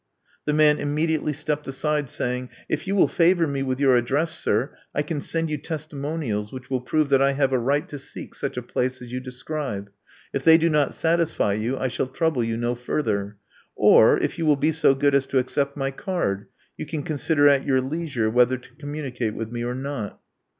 The man immediately stepped aside, saying, If you will favor me with your address, sir, I can send you testimonials which will prove that I have a right to seek such a place as you describe. If they do not satisfy you, I shall trouble you no further. Or if you will be so good as to accept my card, you can consider at your leisure whether to communicate with me or not."